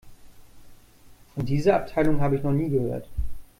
Von dieser Abteilung habe ich noch nie gehört.